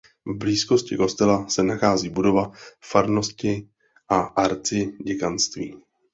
V blízkosti kostela se nachází budova farnosti a arciděkanství.